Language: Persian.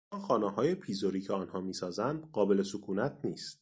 آن خانههای پیزری که آنها میسازند قابل سکونت نیست.